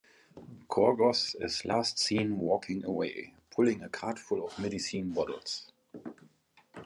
Korgoth is last seen walking away, pulling a cart full of medicine bottles.